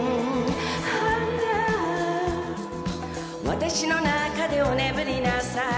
「私の中でお眠りなさい」